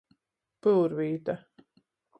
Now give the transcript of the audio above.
Pyurvīta.